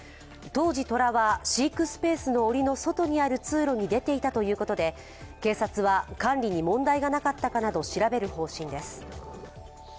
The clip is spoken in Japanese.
当時、虎は飼育スペースのおりの外にある通路に出ていたということで、警察は管理に問題がなかったかなど調べる方針です。